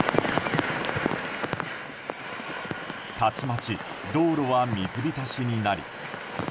たちまち道路は水浸しになり。